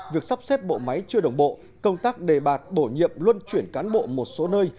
việc sắp xếp bộ máy chưa đồng bộ công tác đề bạt bổ nhiệm luân chuyển cán bộ một số nơi